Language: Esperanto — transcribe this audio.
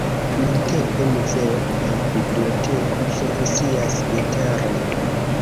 Nuntempe muzeo kaj biblioteko funkcias interne.